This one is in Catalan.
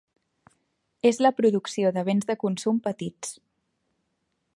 És la producció de bens de consum petits.